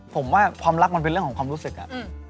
ผมว่าความรักมันเป็นเรื่องของความรู้สึกอะ